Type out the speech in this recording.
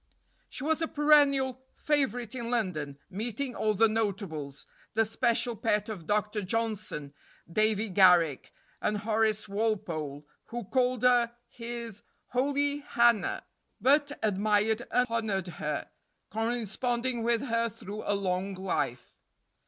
She was a perennial favorite in London, meeting all the notables; the special pet of Dr. Johnson, Davy Garrick, and Horace Walpole, who called her his "holy Hannah," but admired and honored her, corresponding with her through a long life.